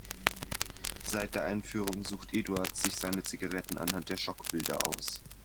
Seit der Einführung sucht Eduard sich seine Zigaretten anhand der Schockbilder aus.